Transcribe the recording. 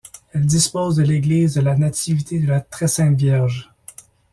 Elle dispose de l'église de la Nativité-de-la-Très-Sainte-Vierge.